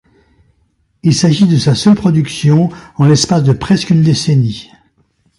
Il s'agit de sa seule production en l'espace de presque une décennie.